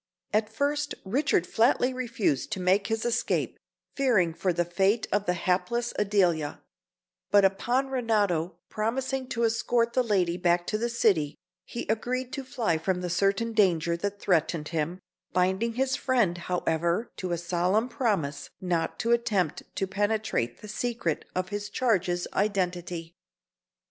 At first Richard flatly refused to make his escape, fearing for the fate of the hapless Adelia; but upon Renato promising to escort the lady back to the city, he agreed to fly from the certain danger that threatened him, binding his friend, however, to a solemn promise not to attempt to penetrate the secret of his charge's identity.